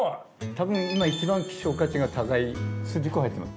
たぶん今一番希少価値が高い筋子入ってます。